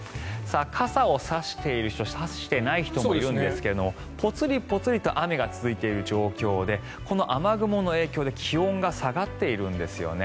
傘を差している人差していない人もいるんですがぽつりぽつりと雨が続いている状況でこの雨雲の影響で気温が下がっているんですよね。